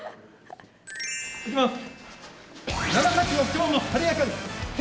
いきます。